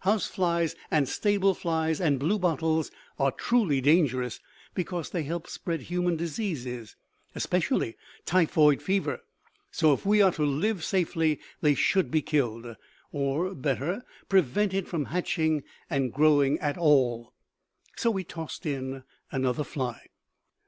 House flies and stable flies and bluebottles are truly dangerous because they help spread human diseases, especially typhoid fever. So if we are to live safely they should be killed. Or, better, prevented from hatching and growing at all. So we tossed in another fly.